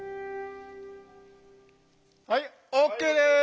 はいＯＫです！